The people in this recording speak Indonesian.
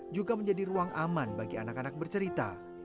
juga menjadi ruang aman bagi anak anak bercerita